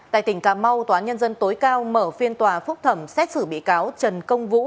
tại tỉnh cà mau tòa nhân dân tối cao mở phiên tòa phúc thẩm xét xử bị cáo trần công vũ